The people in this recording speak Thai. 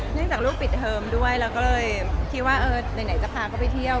จากลูกปิดเทอมด้วยเราก็เลยคิดว่าเออไหนจะพาเขาไปเที่ยว